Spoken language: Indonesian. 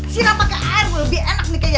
sirap pakai air lebih enak nih kayaknya